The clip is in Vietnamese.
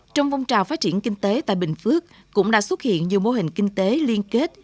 trong phong trào phát triển kinh tế tại bình phước cũng đã xuất hiện nhiều mô hình kinh tế liên kết